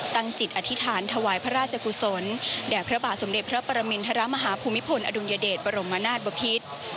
ตั้งจิตอธิษฐานถวายพระราชกุศลแด่พระบาทสมเด็จพระปรมินทรมาฮาภูมิพลอดุลยเดชบรมนาศบพิษ